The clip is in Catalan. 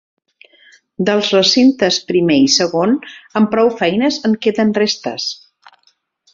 Dels recintes primer i segon, amb prou feines en queden restes.